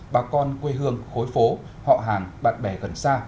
bà con quê hương khối phố họ hàng bạn bè gần xa